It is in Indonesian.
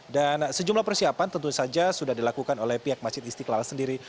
dan sejumlah persiapan tentu saja sudah dilakukan oleh pihak masjid istiqlal sendiri